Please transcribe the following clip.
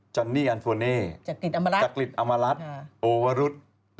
จอนนี่อันโฟเน่จักริดอำมารัฐโอวะรุทธ์